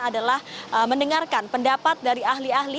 adalah mendengarkan pendapat dari ahli ahli